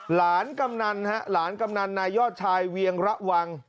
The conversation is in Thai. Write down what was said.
กำนันฮะหลานกำนันนายยอดชายเวียงระวัง